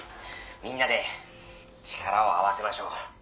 みんなで力を合わせましょう」。